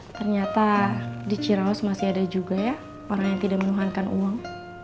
ternyata di cirawas masih ada juga ya orang yang tidak menuhankan uang